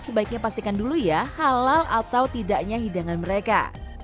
sebaiknya pastikan dulu ya halal atau tidaknya hidangan mereka